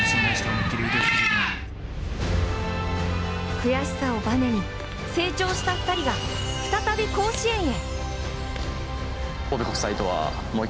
悔しさをばねに成長した２人が再び甲子園へ！